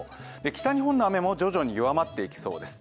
北日本の雨も徐々に弱まっていきそうです。